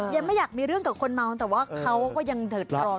ยังไม่อยากมีเรื่องกับคนเมาแต่ว่าเขาก็ยังเดือดร้อน